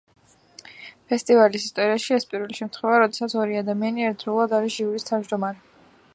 ფესტივალის ისტორიაში ეს პირველი შემთხვევაა, როდესაც ორი ადამიანი ერთდროულად არის ჟიურის თავმჯდომარე.